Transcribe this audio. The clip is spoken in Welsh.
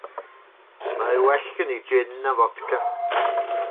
Mae well gen i jin na fodca.